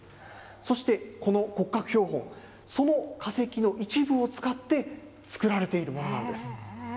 そしてこの骨格標本、その化石の一部を使って作られているものなんです。